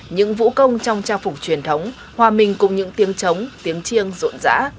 những vũ công trong trang phục truyền thống hòa mình cùng những tiếng trống tiếng chiêng rộn rã